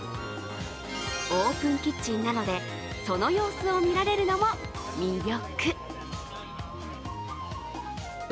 オープンキッチンなので、その様子を見られるのも魅力。